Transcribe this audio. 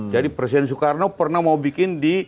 jadi presiden soekarno pernah mau bikin di